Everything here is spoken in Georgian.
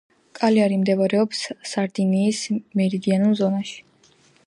კალიარი მდებარეობს სარდინიის მერიდიანულ ზონაში.